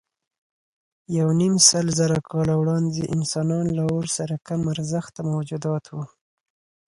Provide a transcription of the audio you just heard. یونیمسلزره کاله وړاندې انسانان له اور سره کم ارزښته موجودات وو.